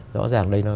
rõ ràng đây nó